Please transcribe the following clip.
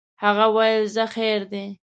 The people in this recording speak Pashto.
هغه ویل ځه خیر دی.